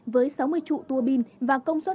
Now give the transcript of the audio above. với sáu mươi trụ tua bin và công suất